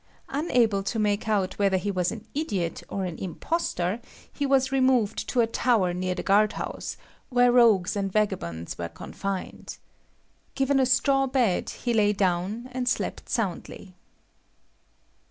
Unable to make out whether he was an idiot or an impostor, he was removed to a tower near the guard house, where rogues and vagabonds were confined. Given a straw bed, he lay down and slept soundly.